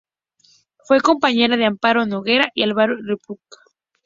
Fue compañera de Amparo Noguera y Álvaro Rudolphy.